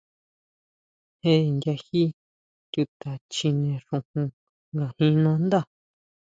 ¿Jé inchají chuta chjine xujun ngajin nandá?